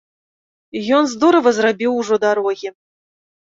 Ён здорава зрабіў ужо дарогі.